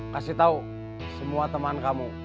kasih tahu semua teman kamu